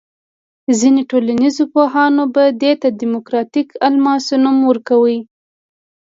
ځینې ټولنیز پوهانو به دې ته دیموکراتیک الماس نوم ورکاوه.